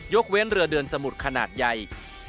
เว้นเรือเดือนสมุดขนาดใหญ่